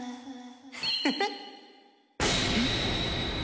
フフッ！